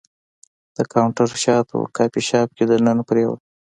د کاونټر شاته و، کافي شاپ کې دننه پر یوه.